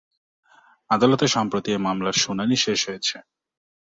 আদালতে সম্প্রতি এই মামলার শুনানি শেষ হয়েছে।